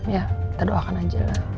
ya kita doakan aja lah